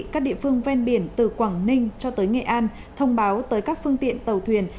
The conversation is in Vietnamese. các địa phương ven biển từ quảng ninh cho tới nghệ an thông báo tới các phương tiện tàu thuyền